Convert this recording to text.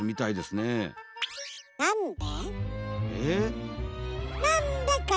なんで？